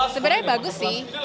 sebenarnya bagus sih